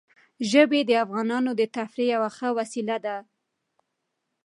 ژبې د افغانانو د تفریح یوه ښه وسیله ده.